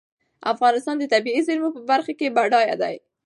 افغانستان د طبیعي زېرمونو په برخه کې بډای دی.